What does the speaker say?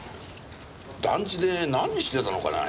団地で何してたのかねぇ？